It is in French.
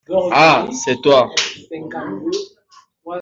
Ah, c’est toi?